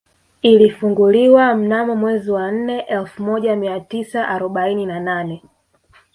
Ilifunguliwa mnamo mwezi wa nne elfu moja mia tisa arobaini na nane